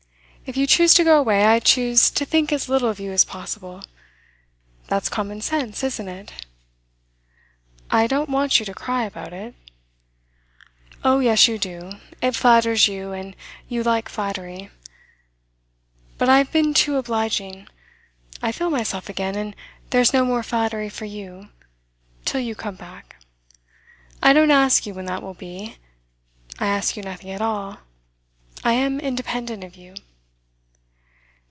If you choose to go away, I choose to think as little of you as possible. That's common sense isn't it?' 'I don't want you to cry about it.' 'Oh yes, you do. It flatters you, and you like flattery. But I've been too obliging. I feel myself again, and there's no more flattery for you till you come back. I don't ask you when that will be. I ask you nothing at all. I am independent of you.